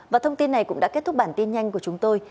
và thông tin này cũng đã kết thúc bản tin nhanh của chúng tôi